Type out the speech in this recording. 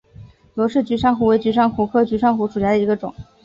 罗氏菊珊瑚为菊珊瑚科菊珊瑚属下的一个种。